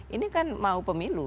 ini kan mau pemilu